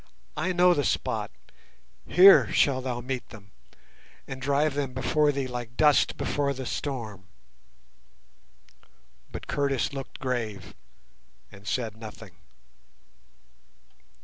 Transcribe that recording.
I know the spot, here shalt thou meet them, and drive them before thee like dust before the storm." But Curtis looked grave and said nothing.